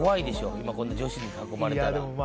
今こんな女子に囲まれたらまあ